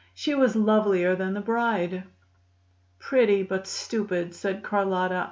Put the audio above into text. "She was lovelier than the bride." "Pretty, but stupid," said Carlotta.